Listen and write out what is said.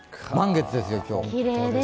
満月ですよ、今日。